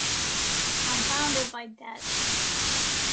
Compounded by debt.